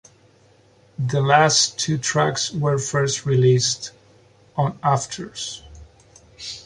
The last two tracks were first released on "Afters".